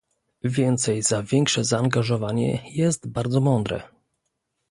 "więcej za większe zaangażowanie" jest bardzo mądre